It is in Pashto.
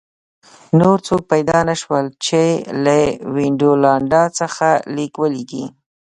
نور څوک پیدا نه شول چې له وینډولانډا څخه لیک ولیکي